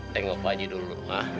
tengok haji dulu mah